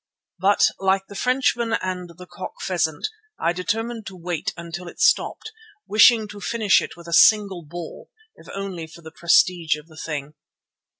But like the Frenchman and the cock pheasant, I determined to wait until it stopped, wishing to finish it with a single ball, if only for the prestige of the thing.